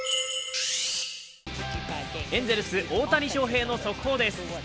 エンゼルス・大谷翔平の速報です。